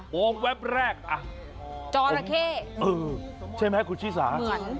โบร์งแว็บแรกจรเข้ใช่มั้ยคุณชีสาเหมือน